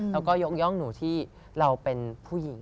แล้วก็ยกย่องหนูที่เราเป็นผู้หญิง